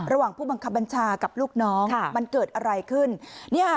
ระหว่างผู้บังคับบัญชากับลูกน้องค่ะมันเกิดอะไรขึ้นนี่ค่ะ